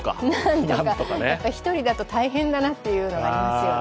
１人だと大変だなというのはありますね。